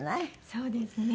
そうですね。